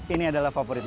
ini adalah favorit gue